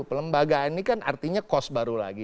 pelembagaan ini kan artinya kos baru lagi